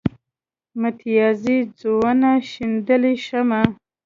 متيازې څونه شيندلی شمه.